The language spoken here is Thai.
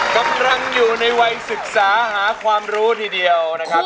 กำลังอยู่ในวัยศึกษาหาความรู้ทีเดียวนะครับ